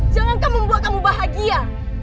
jangan kamu membuat kamu bahagia